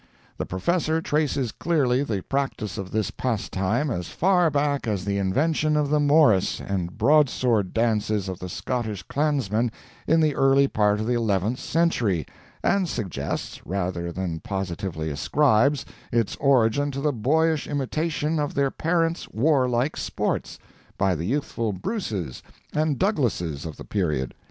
The Professor traces clearly the practice of this pastime as far back as the invention of the morris and broadsword dances of the Scottish clansmen in the early part of the eleventh century, and suggests, rather than positively ascribes, its origin to the boyish imitation of their parents' warlike sports, by the youthful Bruces and Douglasses of the period.